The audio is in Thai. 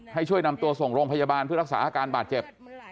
ให้ช่วยนำตัวส่งโรงพยาบาลเพื่อรักษาอาการบาดเจ็บ